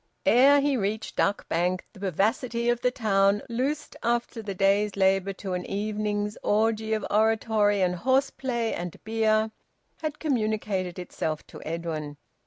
Ere he reached Duck Bank, the vivacity of the town, loosed after the day's labour to an evening's orgy of oratory and horseplay and beer, had communicated itself to Edwin.